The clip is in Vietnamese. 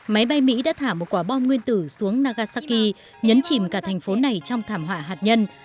máy bay mỹ đã thả một quả bom nguyên tử xuống nagasaki nhấn chìm cả thành phố này trong thảm họa hạt nhân